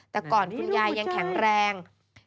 แต่ก่อนคุณยายยังแข็งแรง